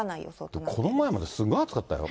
この前まですごい暑かったよ。